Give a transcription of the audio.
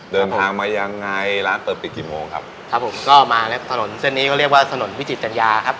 เดินทางมายังไงร้านเปิดปิดกี่โมงครับครับผมก็มาแล้วถนนเส้นนี้เขาเรียกว่าถนนวิจิตจัญญาครับ